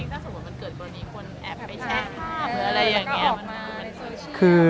ถ้าสมมุติมันเกิดปรณีคนแอบไปแชะภาพหรืออะไรอย่างเงี้ยมันคือ